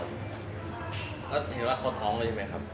แล้วเห็นว่าเขาท้องเราอยู่ไหมครับ